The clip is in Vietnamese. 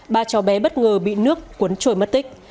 ba cháu bé bất ngờ bị nước cuốn trôi mất tích